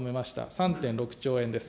３．６兆円です。